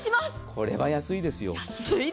これはお安いですよ。